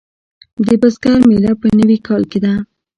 د بزګر میله په نوي کال کې ده.